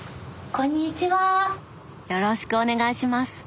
よろしくお願いします。